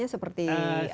kalau sebutin ini